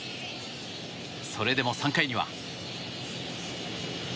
それでも３回には。